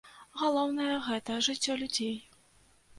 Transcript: Галоўнае гэта жыццё людзей.